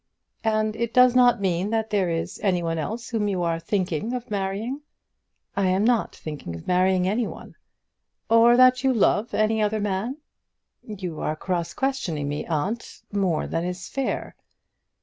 "And it does not mean that there is anyone else whom you are thinking of marrying?" "I am not thinking of marrying anyone." "Or that you love any other man?" "You are cross questioning me, aunt, more than is fair."